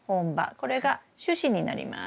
これが主枝になります。